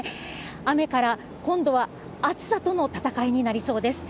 雨から今度は暑さとの闘いになりそうです。